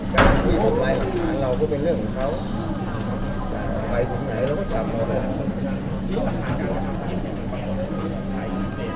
ใครสุดไหมพาการเราก็เป็นเรื่องของเขาไปจนไหนเราก็จับมาเลย